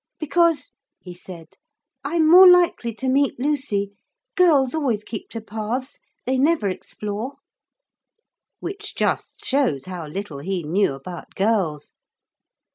'Because,' he said, 'I'm more likely to meet Lucy. Girls always keep to paths. They never explore.' Which just shows how little he knew about girls.